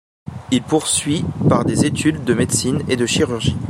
Il poursuit par des études de médecine et de chirurgie.